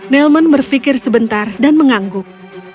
nelman berpikir sebentar dan mengangguk